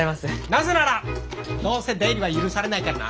なぜならどうせ出入りは許されないからな。